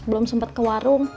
belum sempat ke warung